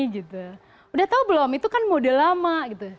sudah tahu belum itu kan model lama gitu